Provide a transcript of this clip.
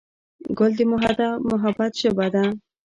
ګل د محبت ژبه ده.